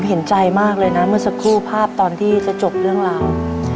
เห็นใจมากเลยนะเมื่อสักครู่ภาพตอนที่จะจบเรื่องราว